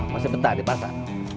masih petah di pasar